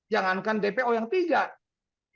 jangankan dpo yang tiga yang korban saja